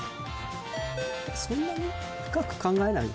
そんなに深く考えない方が。